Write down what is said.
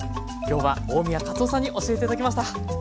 今日は大宮勝雄さんに教えて頂きました。